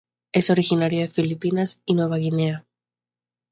Es originario de Filipinas y Nueva Guinea.